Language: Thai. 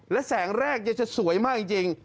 และแสงแรกจะสวยมากจริง